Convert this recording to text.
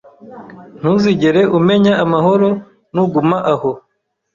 Ntuzigere umenya amahoro nuguma aho